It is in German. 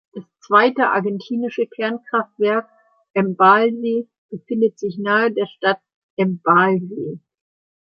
Das zweite argentinische Kernkraftwerk Embalse befindet sich nahe der Stadt Embalse.